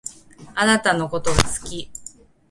あなたのことが好き